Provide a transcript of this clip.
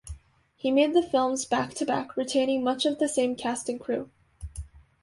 He made the films back-to-back, retaining much of the same cast and crew.